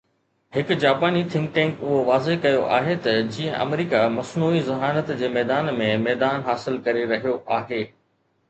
هڪ جاپاني think tank اهو واضح ڪيو آهي ته جيئن آمريڪا مصنوعي ذهانت جي ميدان ۾ ميدان حاصل ڪري رهيو آهي،